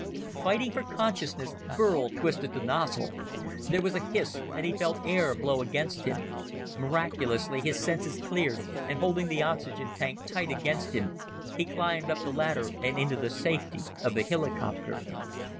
Fighting for consciousness, Burl twisted the nozzle. There was a hiss and he felt air blow against him. Miraculously, his senses cleared, and holding the oxygen tank tight against him, he climbed up the ladder and into the safety of the helicopter.